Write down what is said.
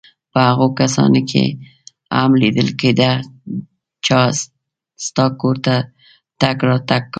په هغو کسانو کې هم لیدل کېده چا ستا کور ته تګ راتګ کاوه.